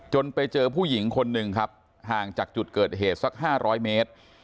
ไปเจอผู้หญิงคนหนึ่งครับห่างจากจุดเกิดเหตุสัก๕๐๐เมตร